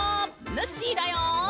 ぬっしーだよ！